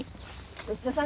吉田さん